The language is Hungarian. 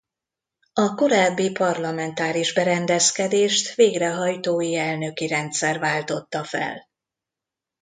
A korábbi parlamentáris berendezkedést végrehajtói elnöki rendszer váltotta fel.